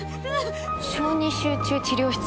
小児集中治療室？